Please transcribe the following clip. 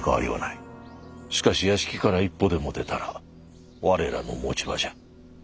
しかし屋敷から一歩でも出たら我らの持ち場じゃ。